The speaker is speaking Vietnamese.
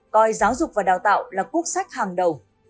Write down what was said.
coi giáo dục và đào tạo là quốc sách hàng đầu